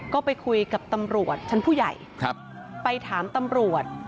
ก็ไปคุยกับตำรวจชั้นผู้ใหญ่ไปถามตำรวจ